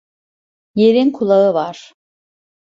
Yerin kulağı var.